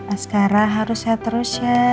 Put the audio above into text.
askara harus sehat terus ya